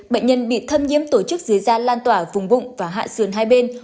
bệnh nhân bị thâm nhiễm tổ chức dưới da lan tỏa vùng bụng và hạ sườn hai bên